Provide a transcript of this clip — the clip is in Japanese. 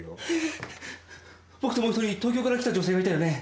僕ともう一人東京から来た女性がいたよね？